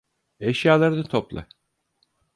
Eşyalarını topla.